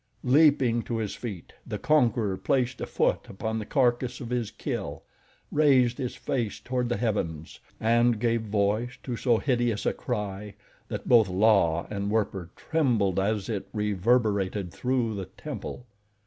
Leaping to his feet the conqueror placed a foot upon the carcass of his kill, raised his face toward the heavens, and gave voice to so hideous a cry that both La and Werper trembled as it reverberated through the temple.